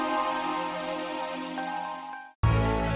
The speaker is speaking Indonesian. jepit telah sarah